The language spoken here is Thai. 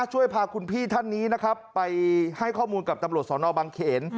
ช่วยพาคุณพี่ท่านนี้นะครับไปให้ข้อมูลกับตำรวจสอนอบังเขน